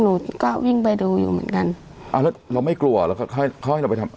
หนูก็วิ่งไปดูอยู่เหมือนกันอ่าแล้วเราไม่กลัวเราก็ค่อยเขาให้เราไปทำ